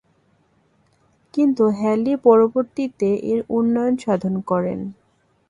কিন্তু হ্যালি পরবর্তীতে এর উন্নয়ন সাধন করেন।